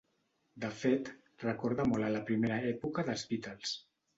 De fet, recorda molt a la primera època dels Beatles.